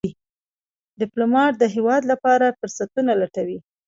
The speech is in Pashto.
ډيپلومات د هېواد لپاره فرصتونه لټوي.